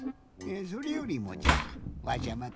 それよりもじゃわしゃ